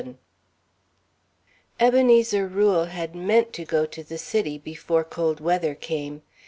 VII Ebenezer Rule had meant to go to the City before cold weather came.